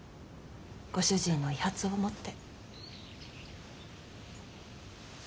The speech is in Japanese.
ご主人の遺髪を持って。